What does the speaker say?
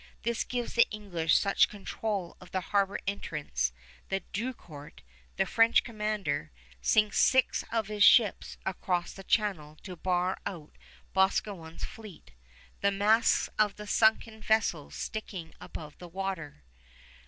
This gives the English such control of the harbor entrance that Drucourt, the French commander, sinks six of his ships across the channel to bar out Boscawen's fleet, the masts of the sunken, vessels sticking above the water.